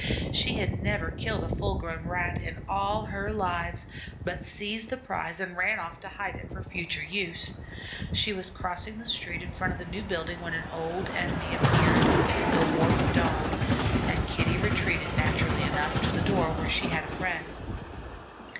She had never killed a full grown Rat in all her lives, but seized the prize and ran off to hide it for future use. She was crossing the street in front of the new building when an old enemy appeared, the Wharf Dog, and Kitty retreated, naturally enough, to the door where she had a friend.